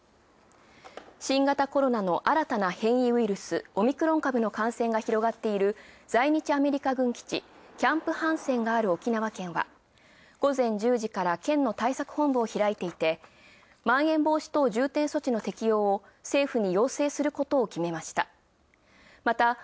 新型コロナの新たな変異ウイルス、オミクロン株の感染が広がっている在日アメリカ軍基地、キャンプ・ハンセンがある沖縄県は午前１０時から県の対策本部を開いていて、まん延防止措置の適用を政府に要請することを決めました。